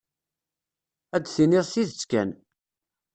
Ad d-tiniḍ tidet kan.